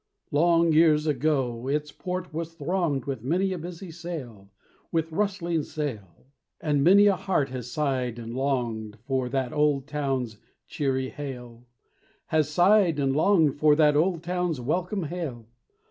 Long years ago its port was thronged With many a busy sail, With rustling sail. And many a heart has sighed and longed For that old town's cheery hail Has sighed and longed for that old town's welcome hail.